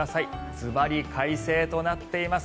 ズバリ快晴となっています。